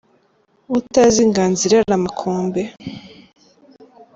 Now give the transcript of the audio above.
Utazi inganzo irera amakombe